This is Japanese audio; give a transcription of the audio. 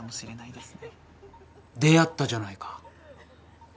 出会ったじゃないか。